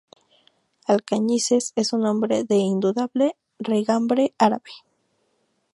Alcañices es un nombre de indudable raigambre árabe.